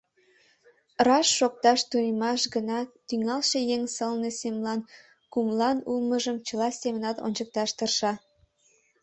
Раш, шокташ тунемаш гына тӱҥалше еҥ сылне семлан кумылан улмыжым чыла семынат ончыкташ тырша.